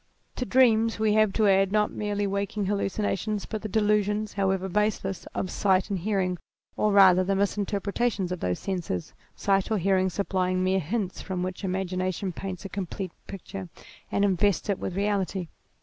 To dreams we have to add not merely waking hallucinations but the de lusions, however baseless, of sight and hearing, or rather the misinterpretations of those senses, sight or hearing supplying mere hints from which ima gination paints a complete picture and invests it with realit} r